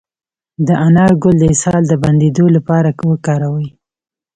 د انار ګل د اسهال د بندیدو لپاره وکاروئ